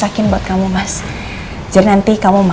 kita juga bisa orang jadi no own